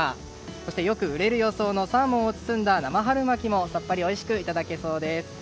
そしてよく売れる予想のサーモンを包んだ生春巻きもさっぱりおいしくいただけそうです。